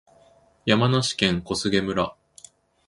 山梨県小菅村